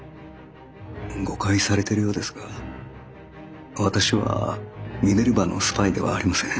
誤解されてるようですが私はミネルヴァのスパイではありません。